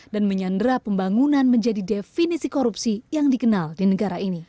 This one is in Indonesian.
dan menyandera pembangunan menjadi definisi korupsi yang dikenal di negara ini